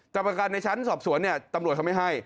แต่ประกันในชั้นสอบสวนตำรวจเขาไม่ให้